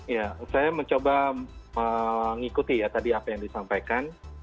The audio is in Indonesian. ya saya mencoba mengikuti ya tadi apa yang disampaikan